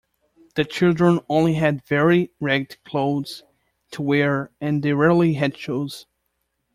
The children only had very ragged clothes to wear and they rarely had shoes.